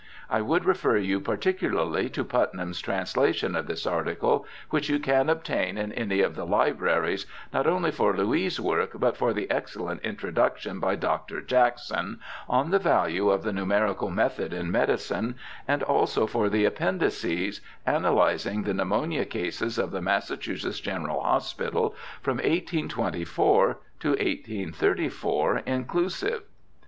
I would refer you particularly to Putnam's translation of this article, which you can obtain in any of the libraries, not only for Louis' work, but for the excellent introduction by Dr. Jackson on the value of the numerical method in medicine, and also for the appendices, analysing the pneumonia cases of the Massachusetts General Hospital from 1824 to 1834 (inclusive).